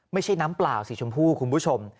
ไม่ใช่น้ำเปล่าสีชมพู่คุณผู้ชม